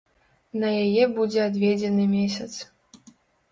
На яе будзе адведзены месяц.